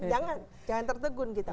jangan jangan tertegun kita